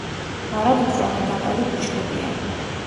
მარადმწვანე დაბალი ბუჩქებია.